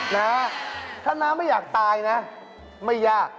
น้าถ้าน้าไม่อยากตายนะไม่ยาก